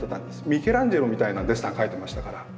ミケランジェロみたいなデッサン描いてましたから。